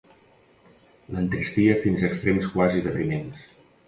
L'entristia fins a extrems quasi depriments.